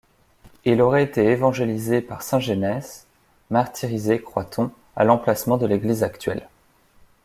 Elle aurait été évangélisée par saint Genès, martyrisé, croit-on, à l'emplacement de l'église actuelle.